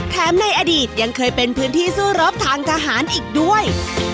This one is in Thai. ในอดีตยังเคยเป็นพื้นที่สู้รบทางทหารอีกด้วย